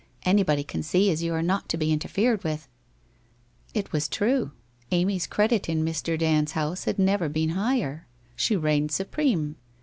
Anybody can see as you are not to be interfered with !' It was true. Amy's credit in Mr. Dand's house had never been higher. She reigned supreme.